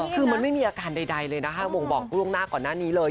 คือมันไม่มีอาการใดเลยนะคะบ่งบอกล่วงหน้าก่อนหน้านี้เลย